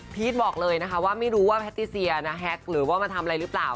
บอกเลยนะคะว่าไม่รู้ว่าแพทติเซียนะแฮกหรือว่ามาทำอะไรหรือเปล่า